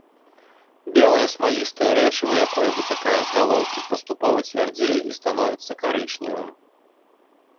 Белае смалістае рэчыва, якое выцякае з галоўкі, паступова цвярдзее і становіцца карычневым.